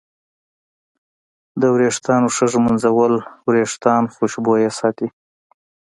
د ویښتانو ښه ږمنځول وېښتان خوشبویه ساتي.